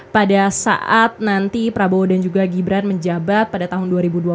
pada saat nanti prabowo dan juga gibran menjabat pada tahun dua ribu dua puluh satu